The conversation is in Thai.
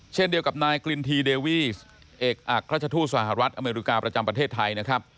เช่นเดียวกับนายกลินทีเดวีสเอกอักราชทูตสหรัฐอเมริกาประจำประเทศไทยนะครับ